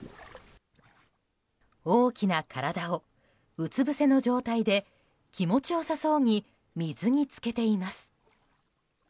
大きな体をうつ伏せの状態で気持ち良さそうに水に浸けています。